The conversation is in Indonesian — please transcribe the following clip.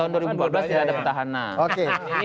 tahun dua ribu empat belas tidak ada pertahanan